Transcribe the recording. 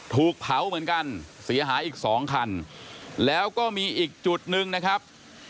ถูกเผาเหมือนกันเสียหายอีกสองคันแล้วก็มีอีกจุดหนึ่งนะครับ